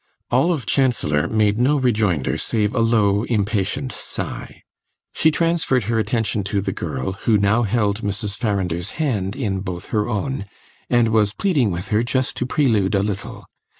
Olive Chancellor made no rejoinder save a low, impatient sigh; she transferred her attention to the girl, who now held Mrs. Farrinder's hand in both her own, and was pleading with her just to prelude a little.